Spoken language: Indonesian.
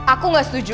aku gak setuju